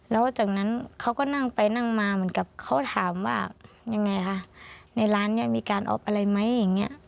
แล้วจากนั้นเขาก็นั่งไปนั่งมาเหมือนกับเขาถามว่ายังไงคะในร้านนี้มีการออฟอะไรไหมอย่างนี้